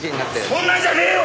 そんなんじゃねえよ！！